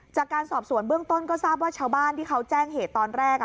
จากการสอบสวนเบื้องต้นก็ทราบว่าชาวบ้านที่เขาแจ้งเหตุตอนแรก